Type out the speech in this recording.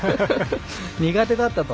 苦手だったと。